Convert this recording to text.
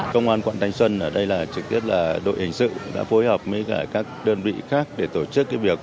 công an quận thanh xuân ở đây là trực tiếp là đội hình sự đã phối hợp với các đơn vị khác để tổ chức việc